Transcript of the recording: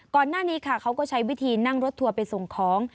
ก่อนหน้านี้ค่ะเขาก็ใช้วิธีนั่งรถทัวร์ไปส่งของ